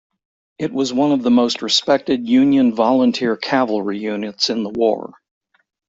It was one of the most respected Union volunteer cavalry units in the war.